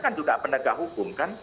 saya kan juga pendegah hukum kan